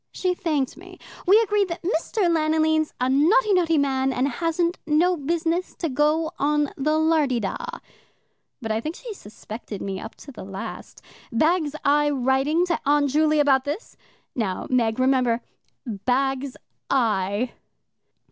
She thanked me. We agreed that Mr. Lanoline's a notty, notty man, and hasn't no business to go on the lardy da. But I think she suspected me up to the last. Bags I writing to Aunt Juley about this. Now, Meg, remember bags I."